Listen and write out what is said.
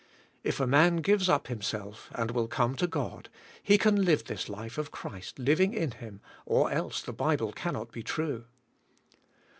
If a man gives up him self, and will come to God, he can live this life of Christ living in him, or else the Bible cannot be true.